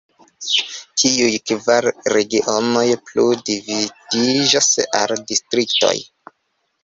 Tiuj kvar regionoj plu dividiĝas al distriktoj.